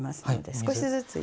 少しずつ。